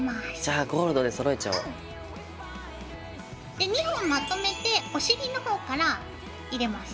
で２本まとめてお尻の方から入れます。